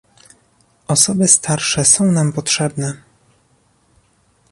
Osoby starsze są nam potrzebne